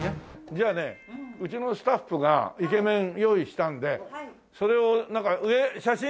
じゃあねうちのスタッフがイケメン用意したのでそれを写真スタジオ上？